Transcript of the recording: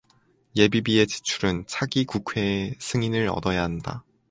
예비비의 지출은 차기국회의 승인을 얻어야 한다.